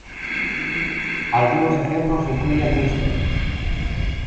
Algunos ejemplos incluyen "Mr.